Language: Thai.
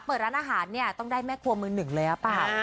เปิดร้านอาหารเนี่ยต้องได้แม่ครัวมือหนึ่งเลยหรือเปล่า